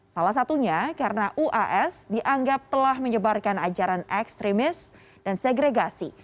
salah satunya karena uas dianggap telah menyebarkan ajaran ekstremis dan segregasi